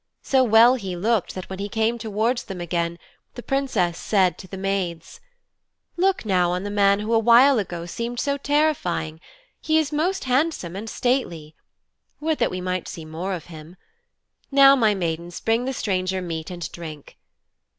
So well he looked that when he came towards them again the Princess said to the maids: 'Look now on the man who a while ago seemed so terrifying! He is most handsome and stately. Would that we might see more of him. Now, my maidens, bring the stranger meat and drink.'